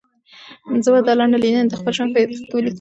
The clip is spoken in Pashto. زه به دا لنډه لیدنه د خپل ژوند په یادښت کې ولیکم.